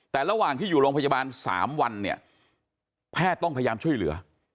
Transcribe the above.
แต่ระหว่างที่อยู่โรงพยาบาล๓วันเนี่ยแพทย์ต้องพยายามช่วยเหลือ